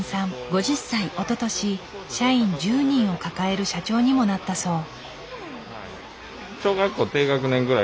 おととし社員１０人を抱える社長にもなったそう。